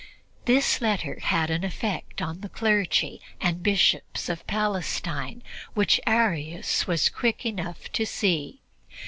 This letter had an effect on the clergy and Bishops of Palestine which Arius was quick enough to see.